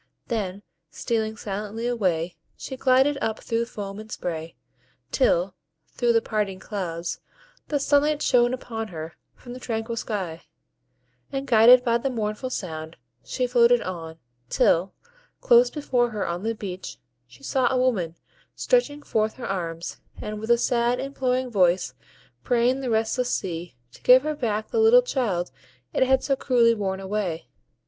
Then, stealing silently away, she glided up through foam and spray, till, through the parting clouds, the sunlight shone upon her from the tranquil sky; and, guided by the mournful sound, she floated on, till, close before her on the beach, she saw a woman stretching forth her arms, and with a sad, imploring voice praying the restless sea to give her back the little child it had so cruelly borne away.